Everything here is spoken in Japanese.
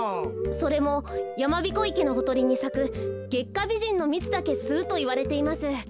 それもやまびこ池のほとりにさくゲッカビジンのみつだけすうといわれています。